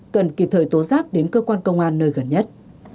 cần kịp thời tố giác đến cơ quan công an nơi gần nhất